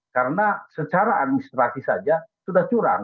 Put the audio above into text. karena secara administrasi saja sudah curang